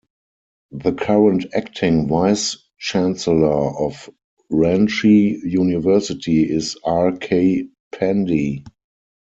The current acting Vice-Chancellor of Ranchi University is R. K. Pandey.